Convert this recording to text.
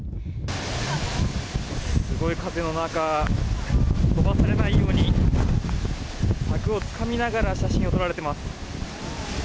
すごい風の中飛ばされないように柵をつかみながら写真を撮っています。